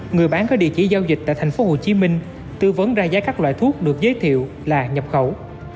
người bán có địa chỉ giao dịch tại thành phố hồ chí minh tư vấn ra giá các loại thuốc được giới thiệu là nhập khẩu